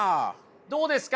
どうですか？